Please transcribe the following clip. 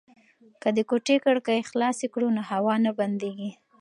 که د کوټې کړکۍ خلاصې کړو نو هوا نه بندیږي.